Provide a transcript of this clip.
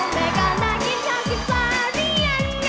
แม่ก็น่ากินข้างกี่ปลารี่ยัง